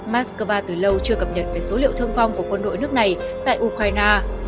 moscow từ lâu chưa cập nhật về số liệu thương vong của quân đội nước này tại ukraine